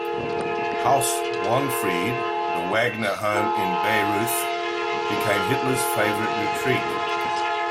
"Haus Wahnfried", the Wagner home in Bayreuth, became Hitler's favorite retreat.